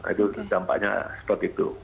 itu dampaknya seperti itu